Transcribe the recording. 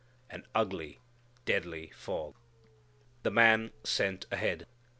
an ugly, deadly fog. The Man Sent Ahead.